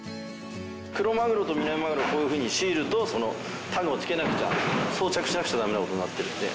クロマグロとミナミマグロはこういうふうにシールとタグを付けなくちゃ装着しなくちゃダメな事になっているので。